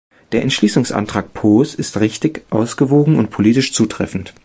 Der Entschließungsantrag Poos ist richtig, ausgewogen und politisch zutreffend.